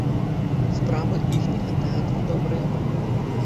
Справы іхняга тэатра добрыя.